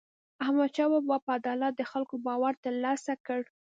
احمدشاه بابا په عدالت د خلکو باور ترلاسه کړ.